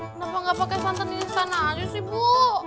kenapa gak pakai santan di sana aja sih bu